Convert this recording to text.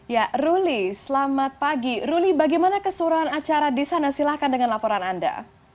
ya ruli selamat pagi ruli bagaimana keseruan acara di sana silahkan dengan laporan anda